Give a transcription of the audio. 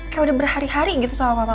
kayak udah berhari hari gitu sama bapak